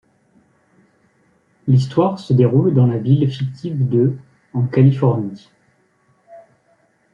L'histoire se déroule dans la ville fictive de en Californie.